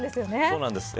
そうなんです。